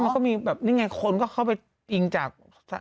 มันก็มีแบบนี่ไงคนเข้าไปยิงจาก